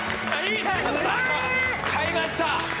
買いました！